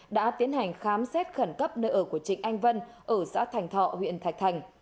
đã tiến hành khám xét khẩn cấp nợ của trịnh anh vân ở xã thành thọ huyện thạch thành